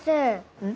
うん？